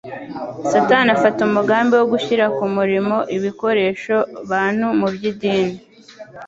Satani afata umugambi wo gushyira ku murimo ibikoresho-bantu mu by'idini,